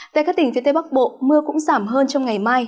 tại các tỉnh phía tây bắc bộ mưa cũng giảm hơn trong ngày mai